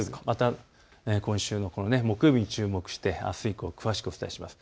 今週の木曜日に注目してあす以降、詳しくお伝えします。